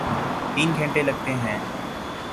تین گھنٹے لگتے ہیں۔